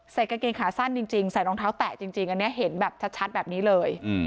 กางเกงขาสั้นจริงใส่รองเท้าแตะจริงอันนี้เห็นแบบชัดแบบนี้เลย